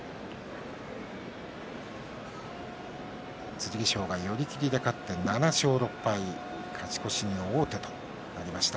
剣翔が寄り切りで勝って７勝６敗、勝ち越しに王手となりました。